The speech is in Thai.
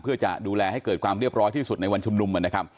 เพื่อจะดูแลให้เกิดความเรียบร้อยที่สุดในวันชุมนุมนะครับ